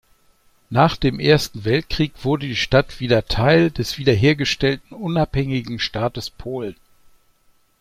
Nach dem Ersten Weltkrieg wurde die Stadt wieder Teil des wiederhergestellten unabhängigen Staates Polen.